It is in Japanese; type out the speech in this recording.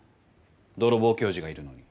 泥棒教授がいるのに。